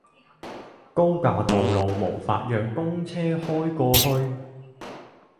高架道路無法讓公車開過去